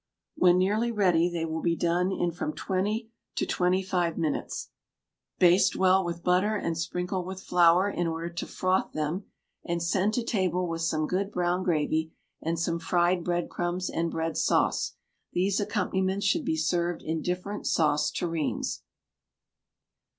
When nearly ready they will be done in from twenty to twenty five minutes baste well with butter and sprinkle with flour in order to froth them, and send to table with some good brown gravy and some fried bread crumbs and bread sauce. These accompaniments should be served in different sauce tureens.